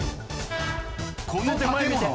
［この建物は？］